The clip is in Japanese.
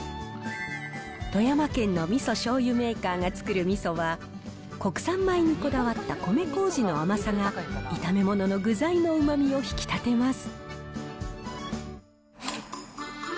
富山県のみそしょうゆメーカーが作るみそは、国産米にこだわった米こうじの甘さが、炒め物の具材のうまみを引き立てます。